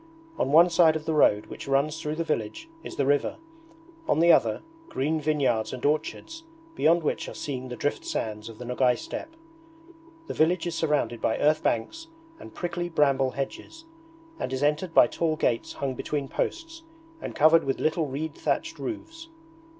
On one side of the road which runs through the village is the river; on the other, green vineyards and orchards, beyond which are seen the driftsands of the Nogay Steppe. The village is surrounded by earth banks and prickly bramble hedges, and is entered by tall gates hung between posts and covered with little reed thatched roofs.